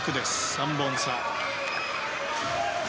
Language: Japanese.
３本差。